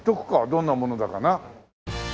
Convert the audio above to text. どんなものだかな。